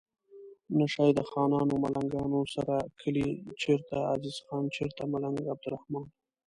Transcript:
نه شي د خانانو ملنګانو سره کلي چرته عزیز خان چرته ملنګ عبدالرحمان